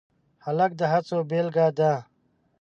هلک د هڅو بیلګه ده.